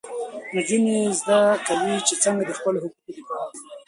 نجونې زده کوي چې څنګه د خپلو حقونو دفاع وکړي.